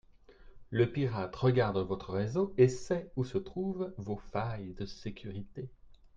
Le pirate regarde votre réseau et sait où se trouvent vos failles de sécurités.